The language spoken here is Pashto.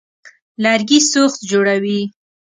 لرګي سوخت جوړوي.